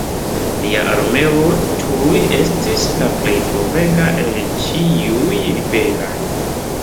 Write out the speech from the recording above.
Lia armeo tuj estis la plej povega el ĉiuj ribelaj.